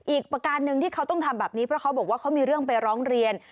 อีกประการหนึ่งที่เขาต้องทำแบบนี้เพราะเขาบอกว่าเขามีเรื่องไปร้องเรียน